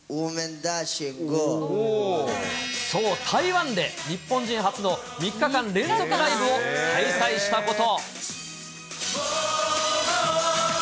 そう、台湾で日本人初の３日間連続ライブを開催したこと。